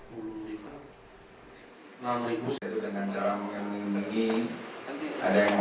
pemeriksaan lebih lanjut sebelumnya mereka diperiksa selama hampir dua belas jam